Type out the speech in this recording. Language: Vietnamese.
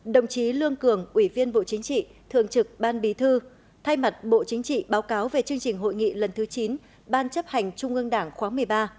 đồng chí lương cường ủy viên bộ chính trị thường trực ban bí thư thay mặt bộ chính trị báo cáo về chương trình hội nghị lần thứ chín ban chấp hành trung ương đảng khóa một mươi ba